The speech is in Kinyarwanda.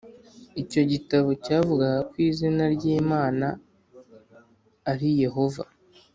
Icyo gitabo cyavugaga ko izina ry Imana ari Yehova